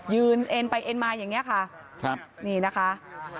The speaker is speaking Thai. ยืนเอ็นไปเอ็นมาอย่างนี้ค่ะนี่นะคะ